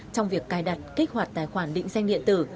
trong việc cài đặt kích hoạt tài khoản định danh điện tử